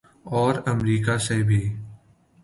اور امریکہ سے بھی۔